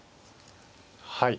はい。